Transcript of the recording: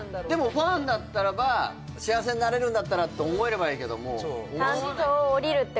でもファンだったらば「幸せになれるんだったら」って思えればいいけども担降りだよ